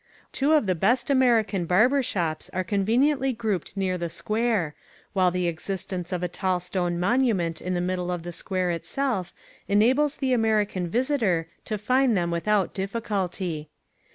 Two of the best American barber shops are conveniently grouped near the Square, while the existence of a tall stone monument in the middle of the Square itself enables the American visitor to find them without difficulty.